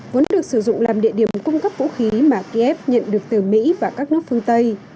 vốn được sử dụng làm địa điểm cung cấp vũ khí mà kiev nhận được từ mỹ và các nước phương tây